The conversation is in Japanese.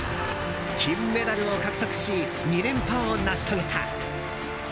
金メダルを獲得し２連覇を成し遂げた。